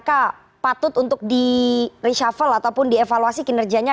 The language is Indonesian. menteri pertanian dan klahk patut untuk diresevel ataupun dievaluasi kinerjanya